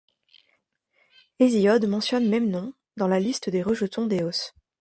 Hésiode mentionne Memnon dans la liste des rejetons d'Éos.